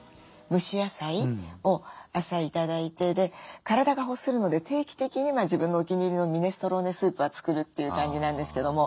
蒸し野菜を朝頂いてで体が欲するので定期的に自分のお気に入りのミネストローネスープは作るという感じなんですけども。